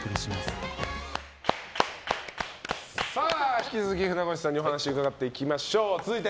引き続き船越さんにお話伺っていきましょう。